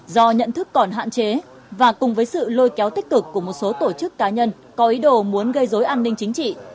do nhận thức còn hạn chế và cùng với sự lôi kéo tích cực của một số tổ chức cá nhân có ý đồ muốn gây dối an ninh chính trị